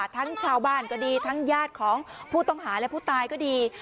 ทั้งชาวบ้านก็ดีทั้งญาติของผู้ต้องหาและผู้ตายก็ดี